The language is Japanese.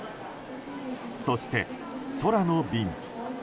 そして、空の便。